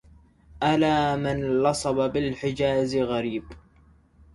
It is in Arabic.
ألا من لصب بالحجاز غريب